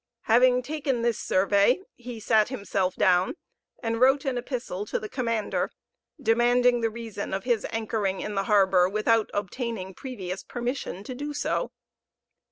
Having taken this survey, he sat himself down, and wrote an epistle to the commander, demanding the reason of his anchoring in the harbor without obtaining previous permission so to do.